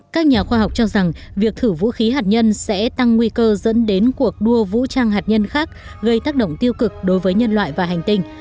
các nhà khoa học cho rằng việc thử vũ khí hạt nhân sẽ tăng nguy cơ dẫn đến cuộc đua vũ trang hạt nhân khác gây tác động tiêu cực đối với nhân loại và hành tinh